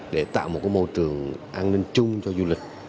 để tạo một môi trường an ninh chung cho du lịch